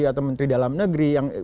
atau menteri dalam negeri yang